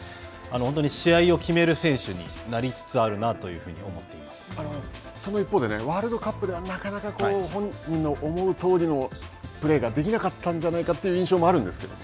本当に試合を決める選手になりつつあるなというふうに思っていまその一方でワールドカップではなかなか本人の思うとおりのプレーができなかったんじゃないかという印象もあるんですけど。